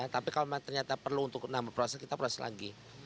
tapi kalau ternyata perlu untuk menambah proses kita proses lagi